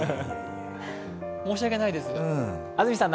申し訳ないです。